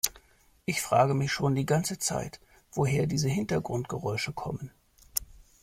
Ich frage mich schon die ganze Zeit, woher diese Hintergrundgeräusche kommen.